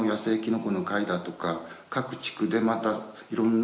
各地区でまたいろんな。